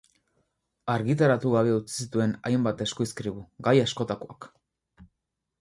Argitaratu gabe utzi zituen hainbat eskuizkribu, gai askotakoak.